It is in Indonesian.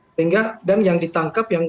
sehingga dan yang ditangkap